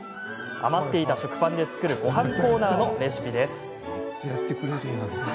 余っていた食パンで作るごはんコーナーのレシピです。